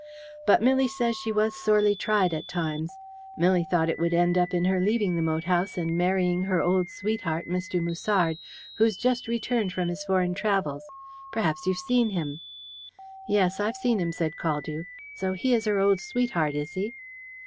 But Milly says she was sorely tried at times. Milly thought it would end up in her leaving the moat house and marrying her old sweetheart, Mr. Musard, who's just returned from his foreign travels. Perhaps you've seen him." "Yes, I've seen him," said Caldew. "So he is her old sweetheart, is he?"